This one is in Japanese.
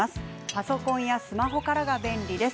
パソコンやスマホからが便利です。